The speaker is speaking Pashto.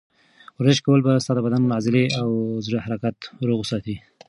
ورزش کول به ستا د بدن عضلې او د زړه حرکت روغ وساتي.